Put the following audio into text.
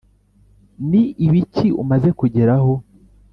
ni ibiki umaze kugeraho?